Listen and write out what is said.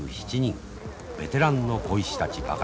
ベテランの鯉師たちばかりです。